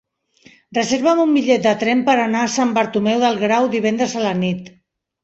Reserva'm un bitllet de tren per anar a Sant Bartomeu del Grau divendres a la nit.